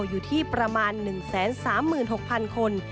อยู่ที่ประมาณ๑๓๖๐๐๐คน